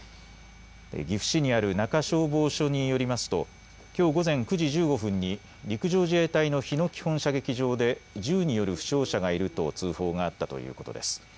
岐阜市にある中消防署によりますと、きょう午前９時１５分に陸上自衛隊の日野基本射撃場で銃による負傷者がいると通報があったということです。